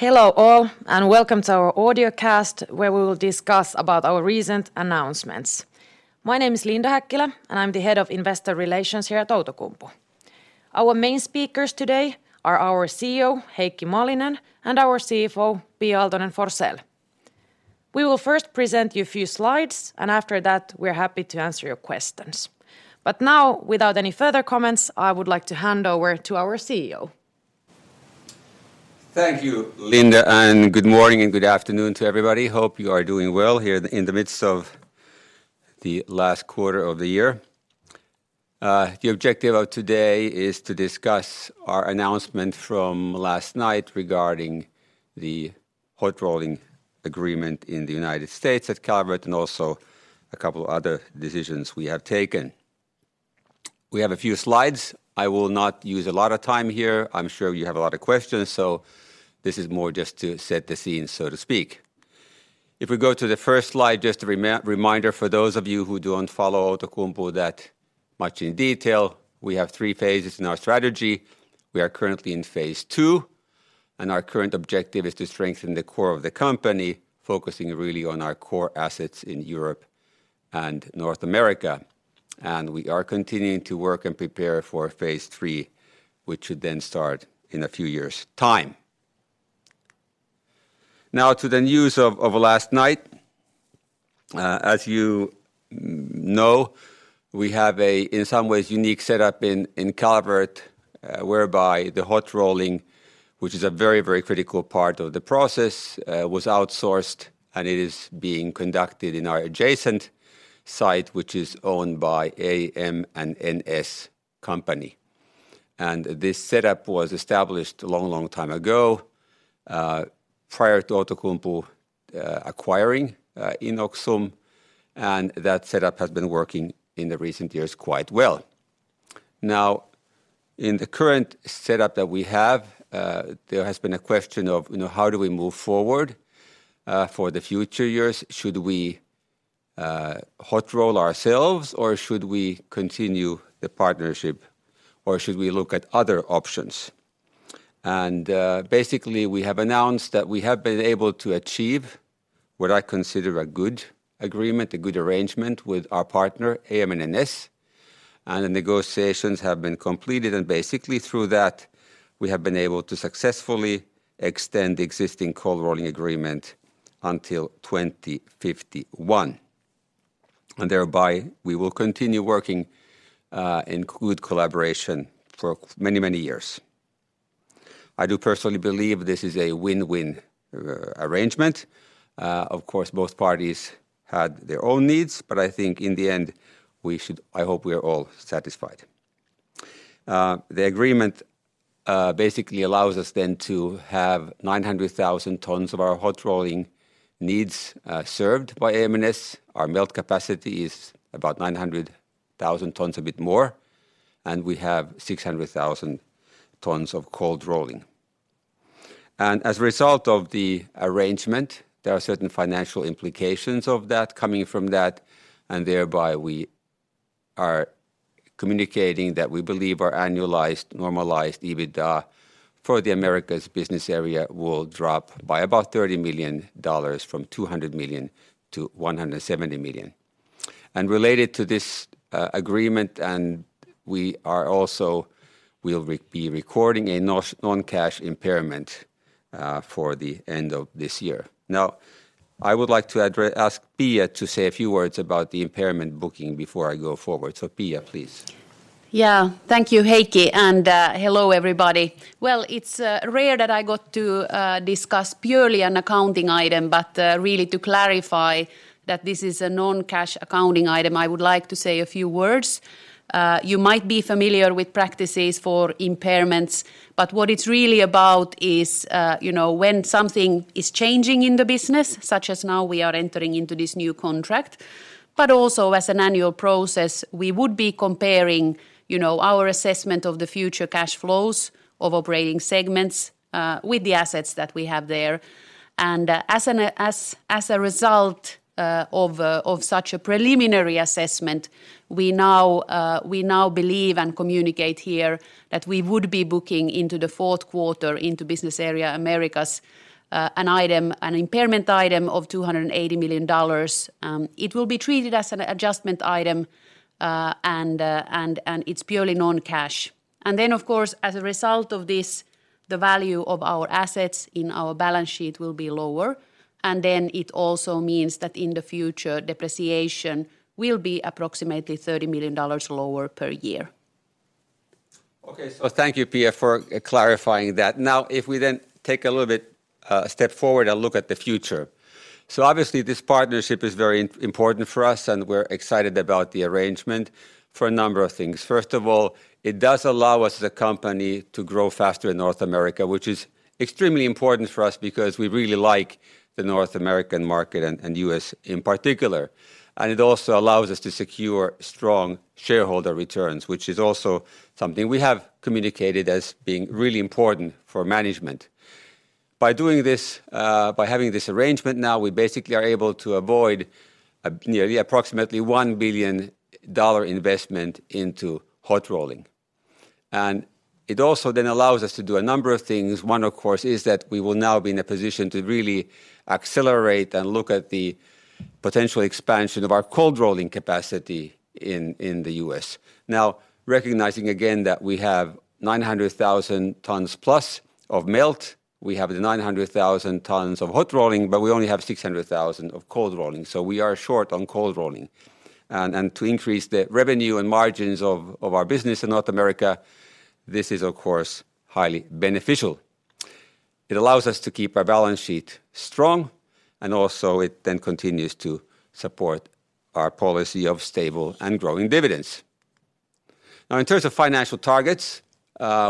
Hello all, and welcome to our audio cast, where we will discuss about our recent announcements. My name is Linda Häkkilä, and I'm the Head of Investor Relations here at Outokumpu. Our main speakers today are our CEO, Heikki Malinen, and our CFO, Pia Aaltonen-Forsell. We will first present you a few slides, and after that, we're happy to answer your questions. Now, without any further comments, I would like to hand over to our CEO. Thank you, Linda, and good morning and good afternoon to everybody. Hope you are doing well here in the midst of the last quarter of the year. The objective of today is to discuss our announcement from last night regarding the hot rolling agreement in the United States at Calvert, and also a couple of other decisions we have taken. We have a few slides. I will not use a lot of time here. I'm sure you have a lot of questions, so this is more just to set the scene, so to speak. If we go to the first slide, just a reminder for those of you who don't follow Outokumpu that much in detail, we have three phases in our strategy. We are currently in phase two, and our current objective is to strengthen the core of the company, focusing really on our core assets in Europe and North America. And we are continuing to work and prepare for phase three, which should then start in a few years' time. Now, to the news of last night. As you know, we have a, in some ways, unique setup in Calvert, whereby the hot rolling, which is a very, very critical part of the process, was outsourced, and it is being conducted in our adjacent site, which is owned by AM/NS company. And this setup was established a long, long time ago, prior to Outokumpu acquiring Inoxum, and that setup has been working in the recent years quite well. Now, in the current setup that we have, there has been a question of, you know, how do we move forward, for the future years? Should we, hot roll ourselves, or should we continue the partnership, or should we look at other options? And, basically, we have announced that we have been able to achieve what I consider a good agreement, a good arrangement with our partner, AM/NS, and the negotiations have been completed, and basically through that, we have been able to successfully extend the existing cold rolling agreement until 2051. And thereby, we will continue working, in good collaboration for many, many years. I do personally believe this is a win-win, arrangement. Of course, both parties had their own needs, but I think in the end, we should—I hope we are all satisfied. The agreement basically allows us then to have 900,000 tons of our hot rolling needs served by AM/NS. Our melt capacity is about 900,000 tons, a bit more, and we have 600,000 tons of cold rolling. And as a result of the arrangement, there are certain financial implications of that, coming from that, and thereby, we are communicating that we believe our annualized normalized EBITDA for the Americas business area will drop by about $30 million, from $200 million to $170 million. And related to this agreement, and we are also—we'll be recording a non-cash impairment for the end of this year. Now, I would like to ask Pia to say a few words about the impairment booking before I go forward. So Pia, please. Yeah. Thank you, Heikki, and hello, everybody. Well, it's rare that I got to discuss purely an accounting item, but really to clarify that this is a non-cash accounting item, I would like to say a few words. You might be familiar with practices for impairments, but what it's really about is, you know, when something is changing in the business, such as now we are entering into this new contract, but also as an annual process, we would be comparing, you know, our assessment of the future cash flows of operating segments, with the assets that we have there. As a result of such a preliminary assessment, we now believe and communicate here that we would be booking into the fourth quarter into business area Americas an impairment item of $280 million. It will be treated as an adjustment item, and it's purely non-cash. And then, of course, as a result of this, the value of our assets in our balance sheet will be lower, and then it also means that in the future, depreciation will be approximately $30 million lower per year. Okay. So thank you, Pia, for clarifying that. Now, if we then take a little bit step forward and look at the future. So obviously, this partnership is very important for us, and we're excited about the arrangement for a number of things. First of all, it does allow us as a company to grow faster in North America, which is extremely important for us because we really like the North American market and US in particular. And it also allows us to secure strong shareholder returns, which is also something we have communicated as being really important for management. By doing this, by having this arrangement, now, we basically are able to avoid a nearly approximately $1 billion investment into hot rolling. And it also then allows us to do a number of things. One, of course, is that we will now be in a position to really accelerate and look at the potential expansion of our cold rolling capacity in the U.S. Now, recognizing again that we have 900,000 tons plus of melt, we have the 900,000 tons of hot rolling, but we only have 600,000 of cold rolling. So we are short on cold rolling. And to increase the revenue and margins of our business in North America, this is, of course, highly beneficial. It allows us to keep our balance sheet strong, and also it then continues to support our policy of stable and growing dividends. Now, in terms of financial targets,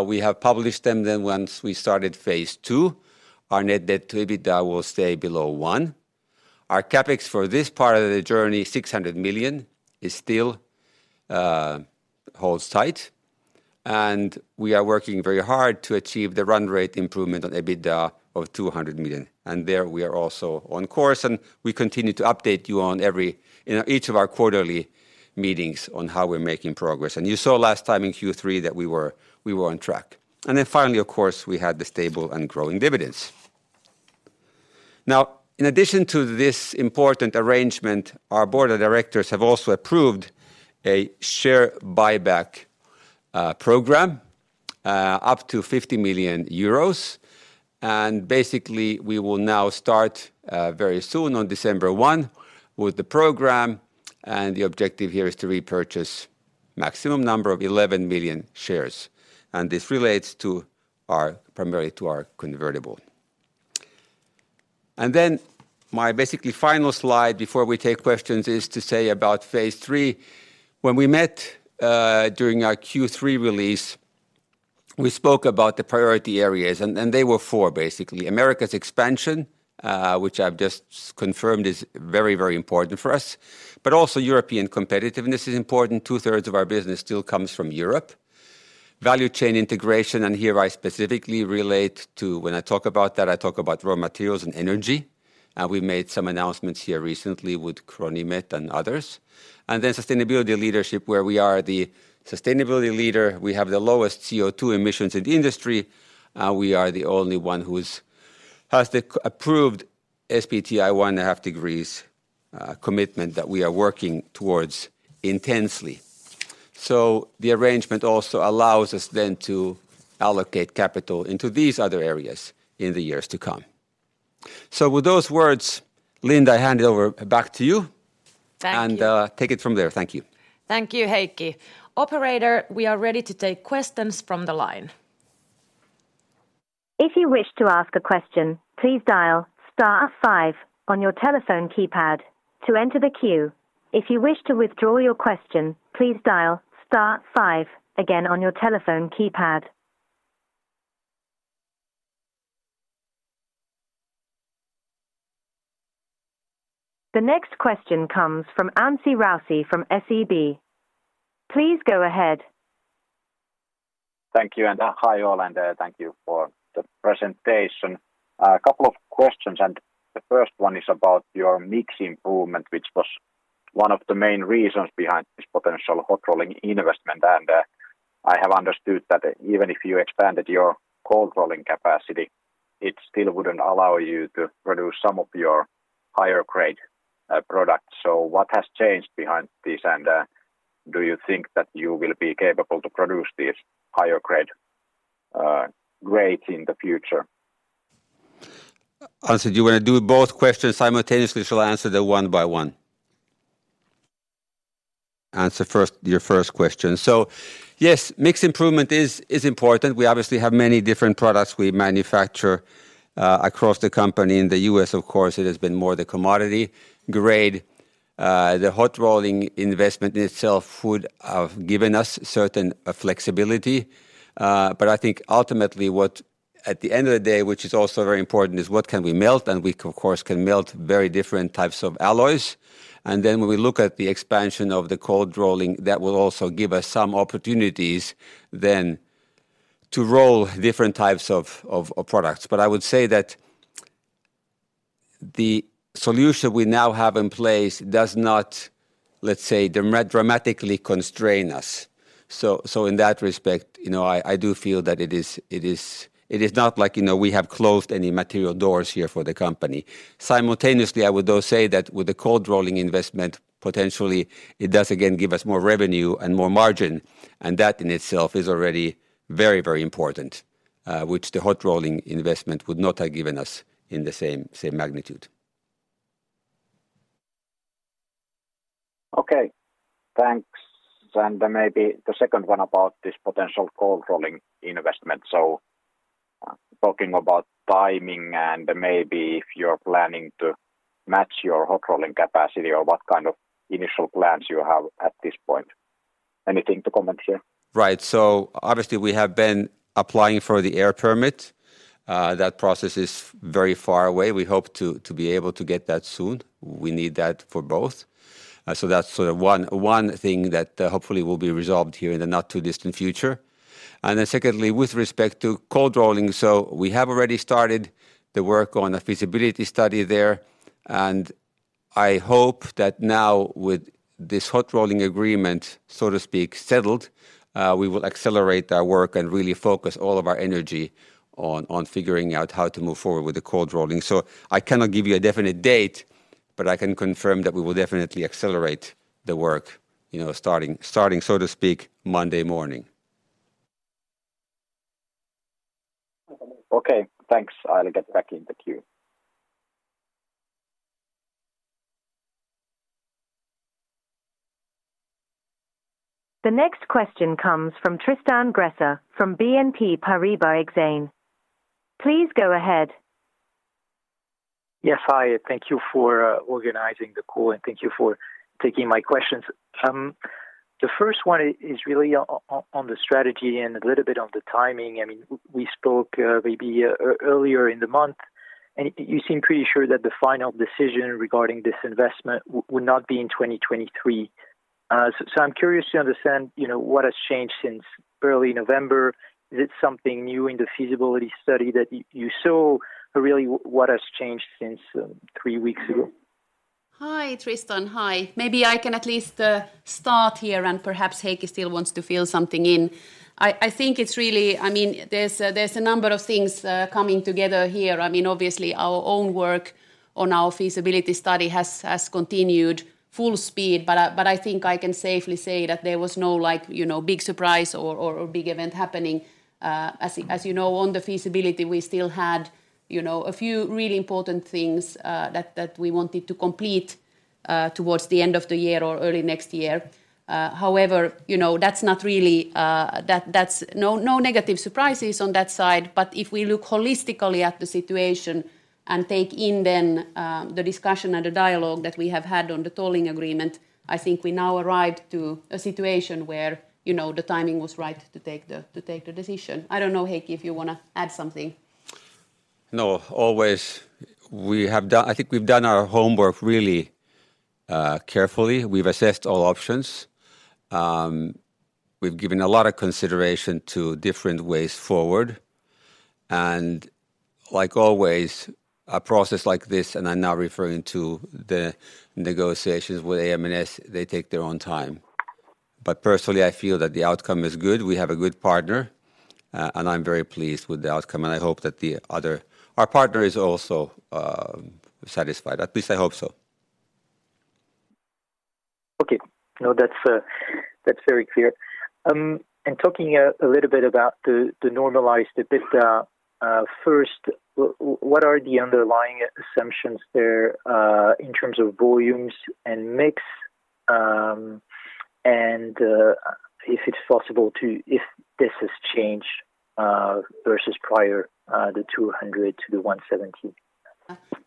we have published them then once we started phase II, our net debt to EBITDA will stay below one. Our CapEx for this part of the journey, 600 million, is still holds tight, and we are working very hard to achieve the run rate improvement on EBITDA of 200 million. There we are also on course, and we continue to update you on every, in each of our quarterly meetings on how we're making progress. You saw last time in Q3 that we were on track. Then finally, of course, we had the stable and growing dividends. Now, in addition to this important arrangement, our board of directors have also approved a share buyback program up to 50 million euros, and basically, we will now start very soon on December 1 with the program, and the objective here is to repurchase maximum number of 11 million shares, and this relates to our primarily to our convertible. And then my basically final slide before we take questions is to say about phase three. When we met during our Q3 release, we spoke about the priority areas, and, and they were four, basically. Americas expansion, which I've just confirmed is very, very important for us, but also European competitiveness is important. Two-thirds of our business still comes from Europe. Value chain integration, and here I specifically relate to when I talk about that, I talk about raw materials and energy, and we made some announcements here recently with CRONIMET and others. And then sustainability leadership, where we are the sustainability leader. We have the lowest CO2 emissions in the industry, and we are the only one who has the approved SBT 1.5 degrees commitment that we are working towards intensely. So the arrangement also allows us then to allocate capital into these other areas in the years to come. So with those words, Linda, I hand it over back to you. Thank you. Take it from there. Thank you. Thank you, Heikki. Operator, we are ready to take questions from the line. If you wish to ask a question, please dial star five on your telephone keypad to enter the queue. If you wish to withdraw your question, please dial star five again on your telephone keypad. The next question comes from Anssi Raussi from SEB. Please go ahead. Thank you, and hi, all, and thank you for the presentation. A couple of questions, and the first one is about your mix improvement, which was one of the main reasons behind this potential hot rolling investment. And I have understood that even if you expanded your cold rolling capacity, it still wouldn't allow you to produce some of your higher grade products. So what has changed behind this, and do you think that you will be capable to produce these higher grade grades in the future? Anssi, do you want to do both questions simultaneously? Shall I answer them one by one? Answer first your first question. So yes, mix improvement is important. We obviously have many different products we manufacture across the company. In the U.S., of course, it has been more the commodity grade. The hot rolling investment in itself would have given us certain flexibility. But I think ultimately, what at the end of the day, which is also very important, is what can we melt? And we, of course, can melt very different types of alloys. And then when we look at the expansion of the cold rolling, that will also give us some opportunities then to roll different types of products. But I would say that the solution we now have in place does not, let's say, dramatically constrain us. So, in that respect, you know, I do feel that it is not like, you know, we have closed any material doors here for the company. Simultaneously, I would, though, say that with the cold rolling investment, potentially it does again give us more revenue and more margin, and that in itself is already very, very important, which the hot rolling investment would not have given us in the same magnitude. Okay, thanks. And then maybe the second one about this potential cold rolling investment. So, talking about timing and maybe if you're planning to match your hot rolling capacity or what kind of initial plans you have at this point. Anything to comment here? Right. So obviously, we have been applying for the air permit. That process is very far away. We hope to be able to get that soon. We need that for both. So that's sort of one thing that hopefully will be resolved here in the not-too-distant future. And then secondly, with respect to cold rolling, we have already started the work on a feasibility study there, and I hope that now with this hot rolling agreement, so to speak, settled, we will accelerate our work and really focus all of our energy on figuring out how to move forward with the cold rolling. So I cannot give you a definite date, but I can confirm that we will definitely accelerate the work, you know, starting, so to speak, Monday morning. Okay, thanks. I'll get back in the queue. The next question comes from Tristan Gresser from BNP Paribas Exane. Please go ahead. Yes, hi, thank you for organizing the call, and thank you for taking my questions. The first one is really on the strategy and a little bit on the timing. I mean, we spoke maybe earlier in the month, and you seemed pretty sure that the final decision regarding this investment would not be in 2023. So I'm curious to understand, you know, what has changed since early November. Is it something new in the feasibility study that you saw? Or really, what has changed since three weeks ago? Hi, Tristan. Hi. Maybe I can at least start here, and perhaps Heikki still wants to fill something in. I think it's really... I mean, there's a number of things coming together here. I mean, obviously, our own work on our feasibility study has continued full speed, but I think I can safely say that there was no, like, you know, big surprise or big event happening. As you know, on the feasibility, we still had, you know, a few really important things that we wanted to complete towards the end of the year or early next year. However, you know, that's not really that -- that's no, no negative surprises on that side. But if we look holistically at the situation and take in then, the discussion and the dialogue that we have had on the tolling agreement, I think we now arrived to a situation where, you know, the timing was right to take the, to take the decision. I don't know, Heikki, if you wanna add something. No, always we have done. I think we've done our homework really carefully. We've assessed all options. We've given a lot of consideration to different ways forward, and like always, a process like this, and I'm now referring to the negotiations with AM/NS, they take their own time. But personally, I feel that the outcome is good. We have a good partner, and I'm very pleased with the outcome, and I hope that the other our partner is also satisfied. At least, I hope so. Okay. No, that's, that's very clear. And talking a little bit about the normalized EBITDA, first, what are the underlying assumptions there in terms of volumes and mix? And if it's possible, if this has changed versus prior, the 200-170?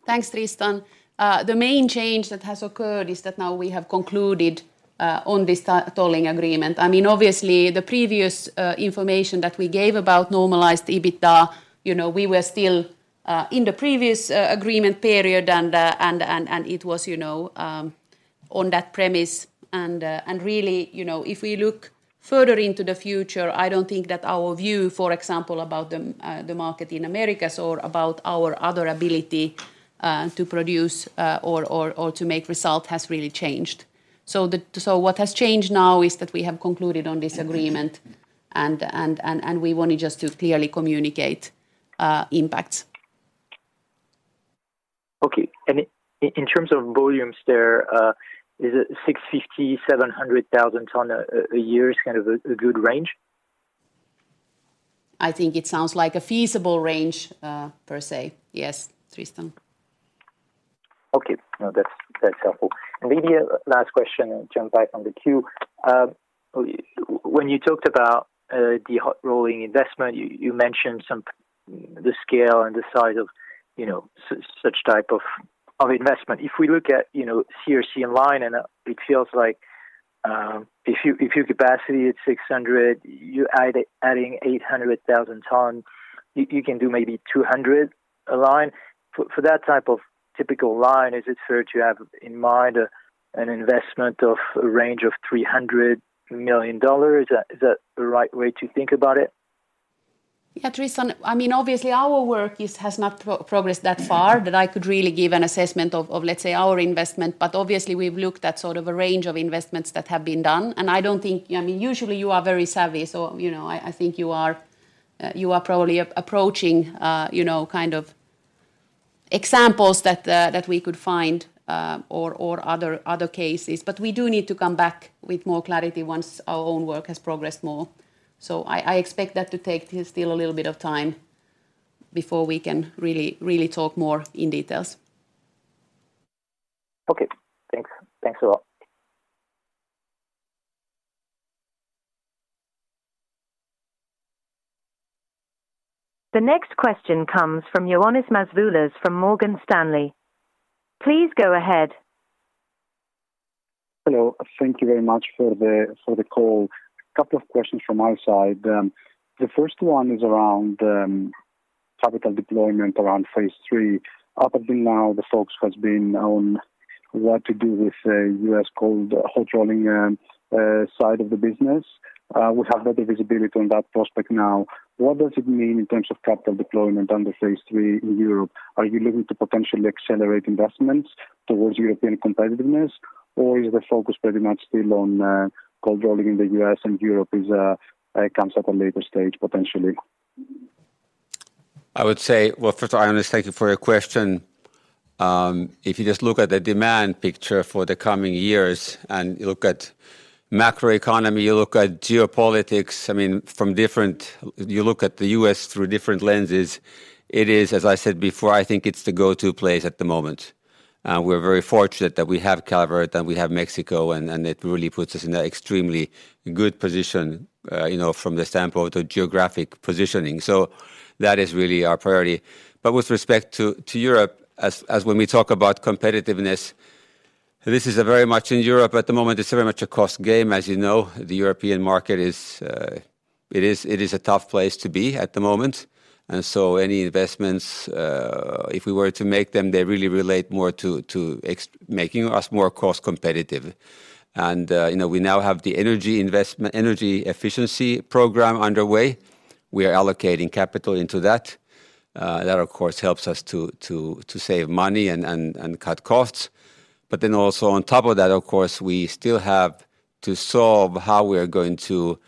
Thanks, Tristan. The main change that has occurred is that now we have concluded on this tolling agreement. I mean, obviously, the previous information that we gave about normalized EBITDA, you know, we were still in the previous agreement period, and it was, you know, on that premise. And really, you know, if we look further into the future, I don't think that our view, for example, about the market in Americas or about our other ability to produce or to make result has really changed. So what has changed now is that we have concluded on this agreement, and we wanted just to clearly communicate impacts. Okay. And in terms of volumes there, is it 650-700,000 tons a year kind of a good range? I think it sounds like a feasible range, per se. Yes, Tristan. Okay. No, that's, that's helpful. And maybe a last question and jump back on the queue. When you talked about the hot rolling investment, you mentioned the scale and the size of, you know, such type of investment. If we look at, you know, CRC in line, and it feels like, if your capacity is 600, you adding 800,000 tons, you can do maybe 200 a line. For that type of typical line, is it fair to have in mind an investment of a range of $300 million? Is that the right way to think about it? Yeah, Tristan, I mean, obviously, our work has not progressed that far, that I could really give an assessment of, let's say, our investment. But obviously, we've looked at sort of a range of investments that have been done, and I don't think... I mean, usually you are very savvy, so, you know, I think you are probably approaching, you know, kind of examples that we could find, or other cases. But we do need to come back with more clarity once our own work has progressed more. So I expect that to take still a little bit of time before we can really talk more in details. Okay. Thanks. Thanks a lot. The next question comes from Ioannis Masvoulas from Morgan Stanley. Please go ahead. Hello, thank you very much for the call. Couple of questions from our side. The first one is around capital deployment around phase three. Up until now, the focus has been on what to do with U.S. cold hot rolling side of the business. We have better visibility on that prospect now. What does it mean in terms of capital deployment under phase three in Europe? Are you looking to potentially accelerate investments towards European competitiveness, or is the focus pretty much still on cold rolling in the U.S. and Europe is comes up on later stage potentially? I would say, well, first of all, I want to thank you for your question. If you just look at the demand picture for the coming years and you look at macroeconomy, you look at geopolitics, I mean, you look at the U.S. through different lenses, it is as I said before, I think it's the go-to place at the moment. And we're very fortunate that we have Calvert and we have Mexico, and, and it really puts us in an extremely good position, you know, from the standpoint of geographic positioning. So that is really our priority. But with respect to, to Europe, as, as when we talk about competitiveness, this is very much in Europe at the moment, it's very much a cost game, as you know. The European market is a tough place to be at the moment, and so any investments, if we were to make them, they really relate more to making us more cost competitive. And, you know, we now have the energy efficiency program underway. We are allocating capital into that. That, of course, helps us to save money and cut costs. But then also on top of that, of course, we still have to solve how we are going to,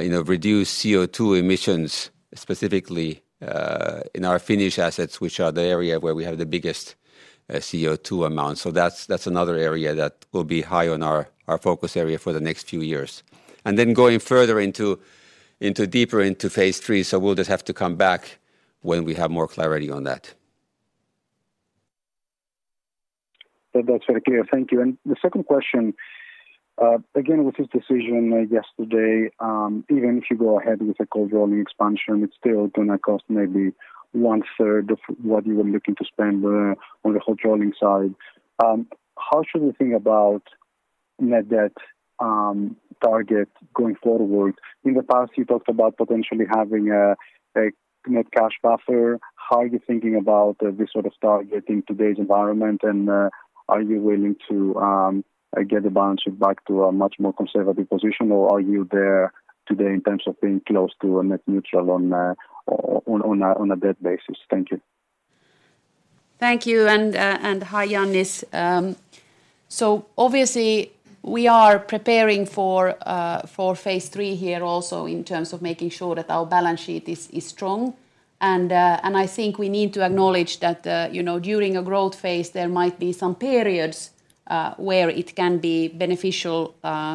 you know, reduce CO2 emissions, specifically, in our Finnish assets, which are the area where we have the biggest CO2 amount. So that's another area that will be high on our focus area for the next few years. And then going further into, deeper into phase three, so we'll just have to come back when we have more clarity on that. That's very clear. Thank you. The second question, again, with this decision yesterday, even if you go ahead with the cold rolling expansion, it's still gonna cost maybe one-third of what you were looking to spend on the hot rolling side. How should we think about net debt target going forward? In the past, you talked about potentially having a net cash buffer. How are you thinking about this sort of target in today's environment? Are you willing to get the balance sheet back to a much more conservative position, or are you there today in terms of being close to a net neutral on a debt basis? Thank you. Thank you, and hi, Ioannis. So obviously, we are preparing for phase three here also in terms of making sure that our balance sheet is strong. And I think we need to acknowledge that you know, during a growth phase, there might be some periods where it can be beneficial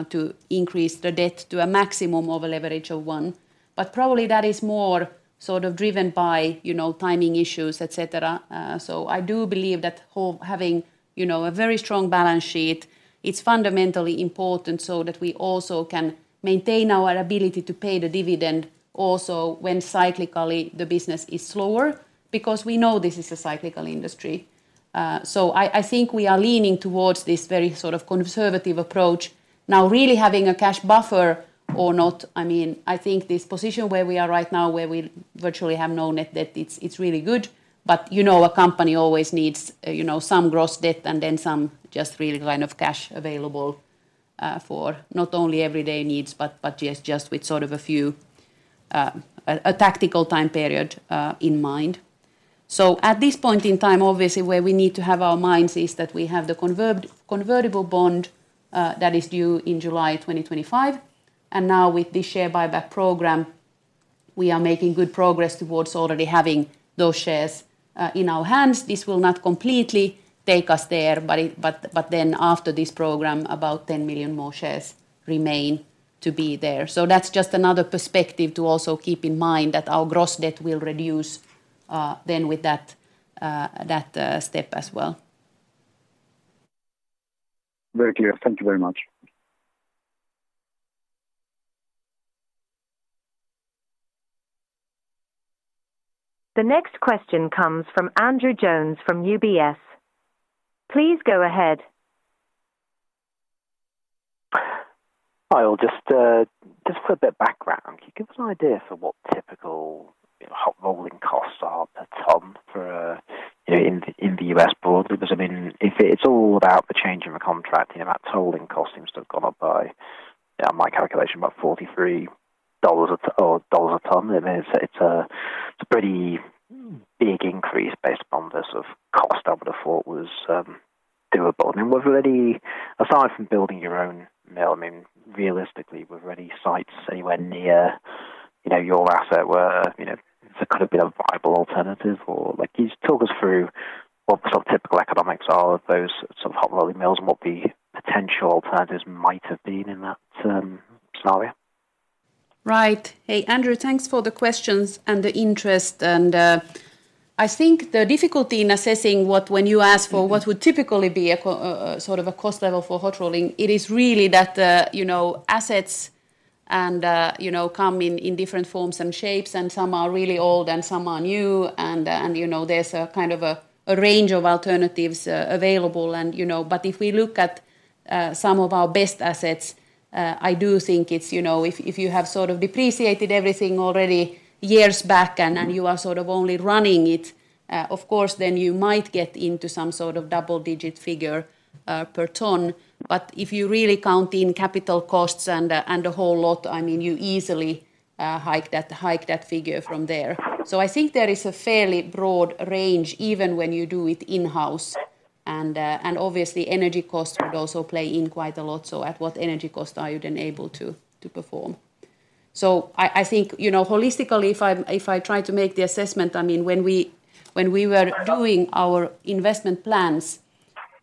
to increase the debt to a maximum of a leverage of one. But probably that is more sort of driven by you know, timing issues, et cetera. So I do believe that while having you know, a very strong balance sheet, it's fundamentally important so that we also can maintain our ability to pay the dividend also when cyclically the business is slower, because we know this is a cyclical industry. So I think we are leaning towards this very sort of conservative approach. Now, really having a cash buffer or not, I mean, I think this position where we are right now, where we virtually have no net debt, it's really good. But, you know, a company always needs, you know, some gross debt and then some just really line of cash available, for not only everyday needs, but, but yes, just with sort of a few, a tactical time period, in mind. So at this point in time, obviously, where we need to have our minds is that we have the convertible bond, that is due in July 2025, and now with this share buyback program, we are making good progress towards already having those shares, in our hands. This will not completely take us there, but it, but, but then after this program, about 10 million more shares remain to be there. So that's just another perspective to also keep in mind that our gross debt will reduce, then with that step as well. Very clear. Thank you very much. The next question comes from Andrew Jones, from UBS. Please go ahead. Hi, all. Just, just for a bit of background, can you give us an idea for what typical, you know, hot rolling costs are per ton for, you know, in the, in the U.S. broadly? Because, I mean, if it's all about the change in the contract, you know, that tolling cost seems to have gone up by, my calculation, about $43 a ton. I mean, it's a pretty big increase based on the sort of cost I would have thought was, doable. I mean, were there any... Aside from building your own mill, I mean, realistically, were there any sites anywhere near, you know, your asset where, you know, there could have been a viable alternative? Or, like, can you just talk us through what the sort of typical economics are of those sort of hot rolling mills and what the potential alternatives might have been in that scenario? Right. Hey, Andrew, thanks for the questions and the interest, and I think the difficulty in assessing what, when you ask for what would typically be a sort of a cost level for hot rolling, it is really that the, you know, assets and, you know, come in, in different forms and shapes, and some are really old and some are new, and, you know, there's a kind of a, a range of alternatives, available and, you know. But if we look at, some of our best assets, I do think it's, you know, if, if you have sort of depreciated everything already years back and, and you are sort of only running it, of course, then you might get into some sort of double-digit figure, per ton. But if you really count in capital costs and, and the whole lot, I mean, you easily, hike that, hike that figure from there. So I think there is a fairly broad range, even when you do it in-house. And, and obviously, energy costs would also play in quite a lot. So at what energy cost are you then able to, to perform? So I, I think, you know, holistically, if I, if I try to make the assessment, I mean, when we, when we were doing our investment plans,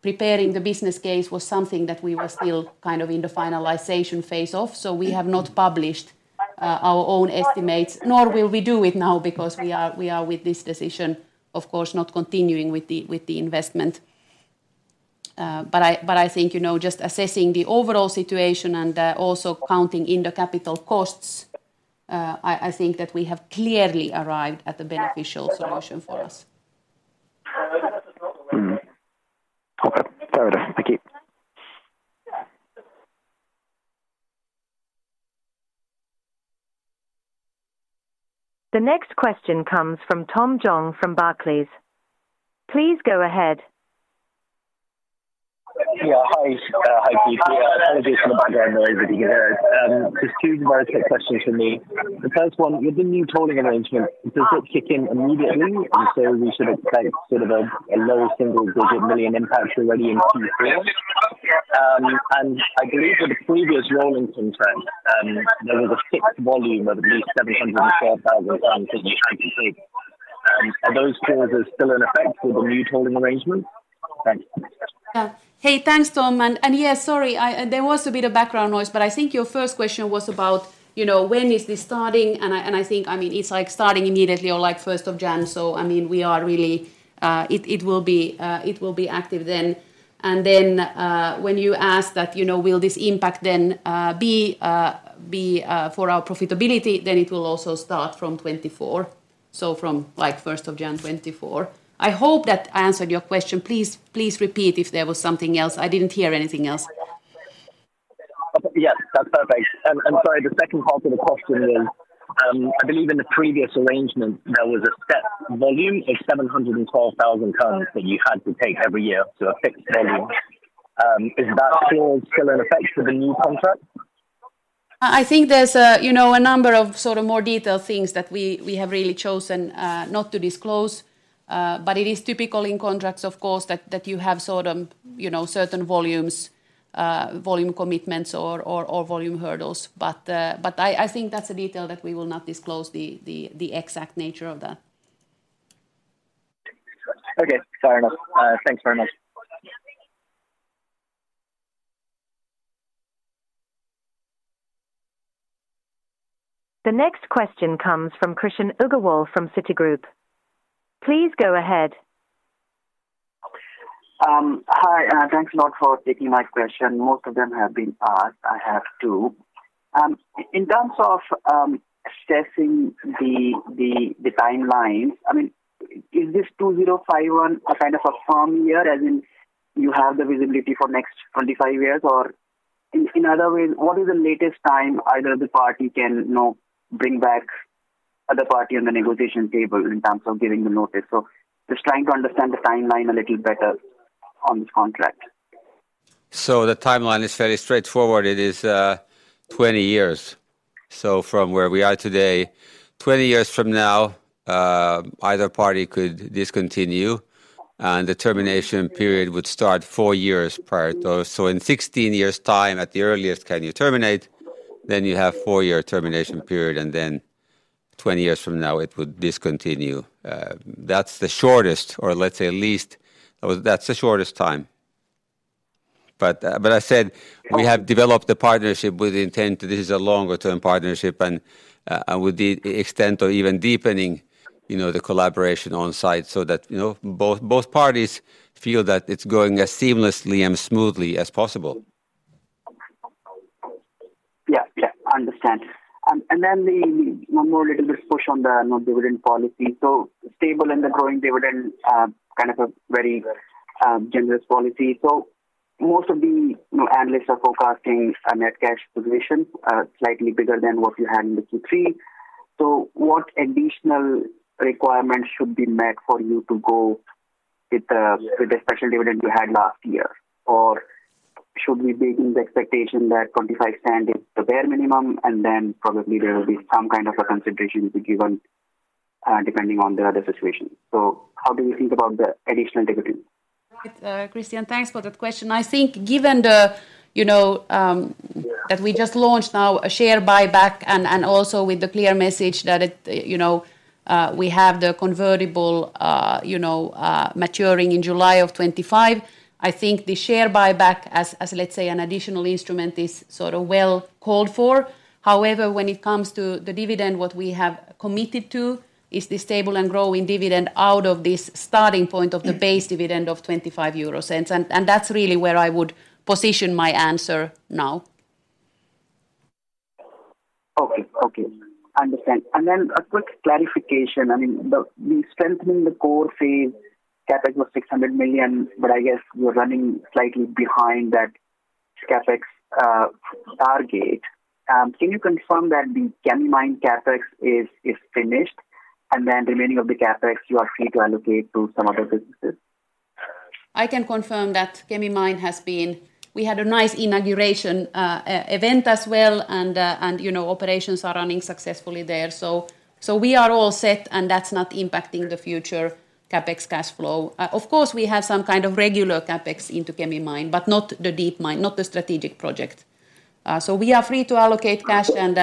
preparing the business case was something that we were still kind of in the finalization phase of. So we have not published, our own estimates, nor will we do it now, because we are, we are with this decision, of course, not continuing with the, with the investment. But I think, you know, just assessing the overall situation and also counting in the capital costs, I think that we have clearly arrived at the beneficial solution for us. Okay. Fair enough. Thank you. The next question comes from Tom Zhang from Barclays. Please go ahead. Yeah, hi. Hi, Pia. Just two very quick questions from me. The first one, with the new tolling arrangement, does it kick in immediately? And so we should expect sort of a low single-digit million impact already in Q4. And I believe that the previous rolling contract, there was a fixed volume of at least 712,000 tons that you had to take. Are those clauses still in effect with the new tolling arrangement? Thanks. Yeah. Hey, thanks, Tom. Yeah, sorry, there was a bit of background noise, but I think your first question was about, you know, when is this starting? And I think, I mean, it's like starting immediately or, like, first of January. So, I mean, we are really. It will be active then. And then, when you ask that, you know, will this impact then be for our profitability, then it will also start from 2024. So from, like, first of January 2024. I hope that answered your question. Please repeat if there was something else. I didn't hear anything else. Yeah, that's perfect. And sorry, the second half of the question was, I believe in the previous arrangement, there was a set volume of 712,000 tons that you had to take every year, so a fixed volume. Is that still, still in effect with the new contract? I think there's a, you know, a number of sort of more detailed things that we have really chosen not to disclose. But it is typical in contracts, of course, that you have sort of, you know, certain volumes, volume commitments or volume hurdles. But I think that's a detail that we will not disclose the exact nature of that. Okay, fair enough. Thanks very much. The next question comes from Krishan Agarwal from Citigroup. Please go ahead. Hi, and thanks a lot for taking my question. Most of them have been asked. I have two. In terms of assessing the timelines, I mean, is this 2051 a kind of a firm year, as in you have the visibility for next 25 years? Or in other words, what is the latest time either the party can, you know, bring back other party on the negotiation table in terms of giving the notice? So just trying to understand the timeline a little better on this contract. So the timeline is fairly straightforward. It is 20 years. So from where we are today, 20 years from now, either party could discontinue, and the termination period would start four years prior to... So in 16 years' time, at the earliest, can you terminate, then you have four-year termination period, and then 20 years from now, it would discontinue. That's the shortest or let's say least... That's the shortest time. But, but I said we have developed the partnership with the intent that this is a longer-term partnership and, and with the extent of even deepening, you know, the collaboration on site so that, you know, both, both parties feel that it's going as seamlessly and smoothly as possible. Yeah, yeah, I understand. And then, one more little bit push on the, you know, dividend policy. So stable and the growing dividend, kind of a very generous policy. So most of the, you know, analysts are forecasting a net cash position, slightly bigger than what you had in the Q3. So what additional requirements should be met for you to go with the, with the special dividend you had last year? Or should we be in the expectation that 0.25 is the bare minimum, and then probably there will be some kind of a consideration to be given, depending on the other situation? So how do you think about the additional dividend? Right. Krishan, thanks for that question. I think given the, you know, that we just launched now a share buyback and also with the clear message that it, you know, we have the convertible, you know, maturing in July 2025, I think the share buyback as, let's say, an additional instrument is sort of well called for. However, when it comes to the dividend, what we have committed to is the stable and growing dividend out of this starting point of the base dividend of 0.25 EUR. And that's really where I would position my answer now. Okay. Okay, understand. Then a quick clarification. I mean, the strengthening the core phase category was 600 million, but I guess you're running slightly behind that CapEx target. Can you confirm that the Kemi mine CapEx is finished, and then remaining of the CapEx, you are free to allocate to some other businesses? I can confirm that Kemi mine has been. We had a nice inauguration event as well, and you know, operations are running successfully there. So we are all set, and that's not impacting the future CapEx cash flow. Of course, we have some kind of regular CapEx into Kemi mine, but not the deep mine, not the strategic project. So we are free to allocate cash and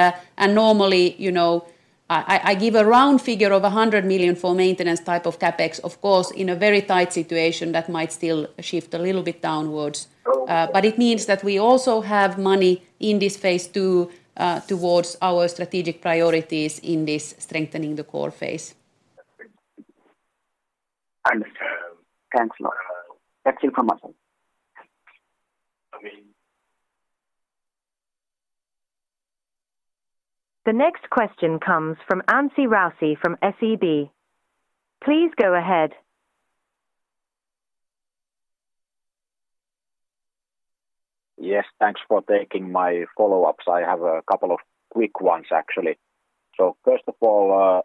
normally, you know, I give a round figure of 100 million for maintenance type of CapEx. Of course, in a very tight situation, that might still shift a little bit downwards. Okay. But it means that we also have money in this phase two, towards our strategic priorities in this strengthening the core phase. Understood. Thanks a lot. That's informative. The next question comes from Anssi Raussi from SEB. Please go ahead. Yes, thanks for taking my follow-ups. I have a couple of quick ones, actually. First of all,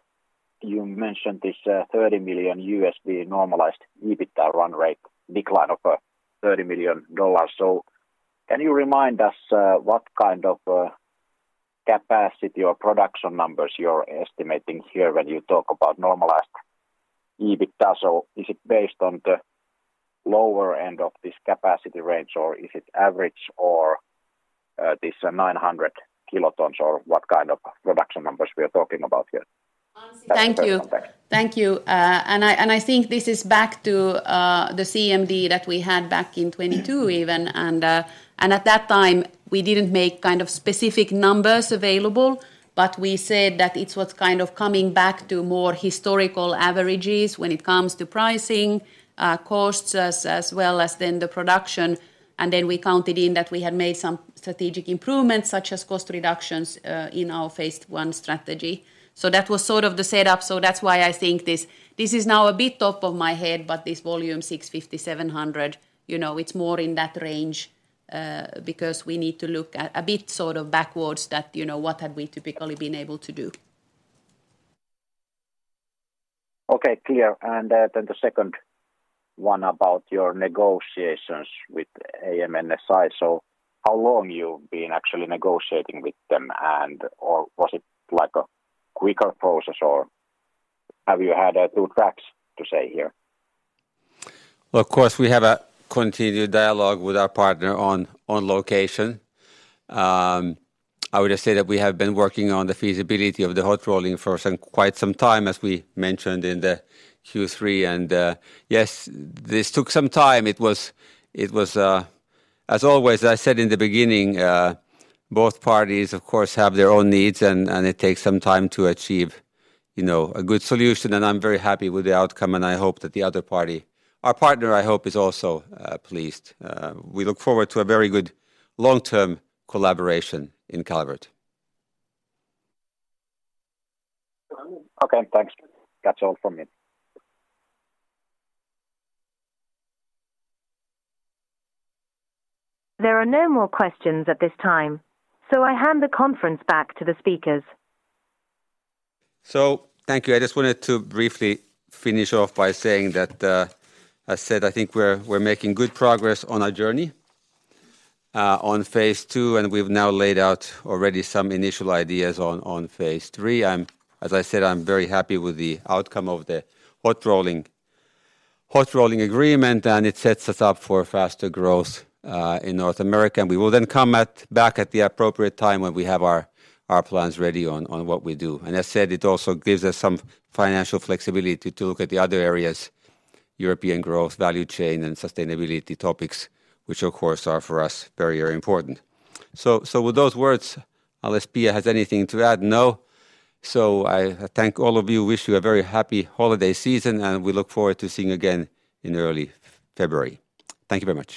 you mentioned this $30 million normalized EBITDA run rate, decline of $30 million. Can you remind us what kind of capacity or production numbers you're estimating here when you talk about normalized EBITDA? Is it based on the lower end of this capacity range, or is it average, or this 900 kilotons, or what kind of production numbers we are talking about here? Anssi, thank you. Thanks. Thank you. And I think this is back to the CMD that we had back in 2022 even, and at that time, we didn't make kind of specific numbers available, but we said that it was kind of coming back to more historical averages when it comes to pricing, costs, as well as then the production. And then we counted in that we had made some strategic improvements, such as cost reductions in our phase one strategy. So that was sort of the setup, so that's why I think this, this is now a bit top of my head, but this volume 650, 700, you know, it's more in that range because we need to look at a bit sort of backwards that, you know, what have we typically been able to do. Okay, clear. And then the second one about your negotiations with AM/NS. So how long you've been actually negotiating with them, and or was it like a quicker process, or have you had two tracks to say here? Well, of course, we have a continued dialogue with our partner on, on location. I would just say that we have been working on the feasibility of the hot rolling for some, quite some time, as we mentioned in the Q3, and, yes, this took some time. It was, it was... As always, I said in the beginning, both parties, of course, have their own needs, and, and it takes some time to achieve, you know, a good solution, and I'm very happy with the outcome, and I hope that the other party, our partner, I hope, is also, pleased. We look forward to a very good long-term collaboration in Calvert. Okay, thanks. That's all from me. There are no more questions at this time, so I hand the conference back to the speakers. So thank you. I just wanted to briefly finish off by saying that, as I said, I think we're, we're making good progress on our journey, on phase two, and we've now laid out already some initial ideas on, on phase three. I'm. As I said, I'm very happy with the outcome of the hot rolling, hot rolling agreement, and it sets us up for faster growth, in North America. And we will then come at, back at the appropriate time when we have our, our plans ready on, on what we do. And as I said, it also gives us some financial flexibility to look at the other areas, European growth, value chain, and sustainability topics, which of course, are for us, very, very important. So, so with those words, unless Pia has anything to add, no? I thank all of you, wish you a very happy holiday season, and we look forward to seeing you again in early February. Thank you very much.